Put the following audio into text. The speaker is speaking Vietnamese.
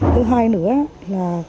thứ hai nữa là